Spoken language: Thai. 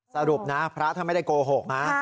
สรุปนะพระท่านไม่ได้โกหกนะ